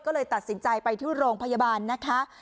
ก็เลยตัดสินใจไปที่โรงพยาบาลนะคะ